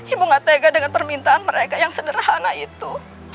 ibu gak tega dengan permintaan mereka yang sederhana itu